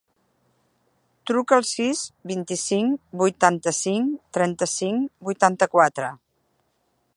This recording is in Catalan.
Truca al sis, vint-i-cinc, vuitanta-cinc, trenta-cinc, vuitanta-quatre.